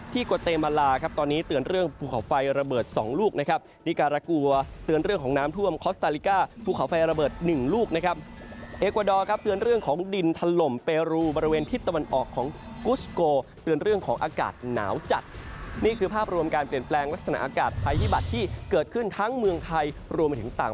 ที่นี่เดี๋ยวเราไล่ลงมาทางอเมริกาใต้กันบ้างนะครับ